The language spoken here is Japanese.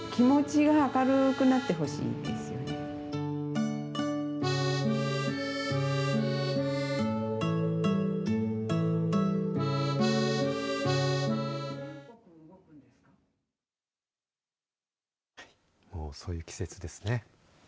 はい、もうそういう季節ですね。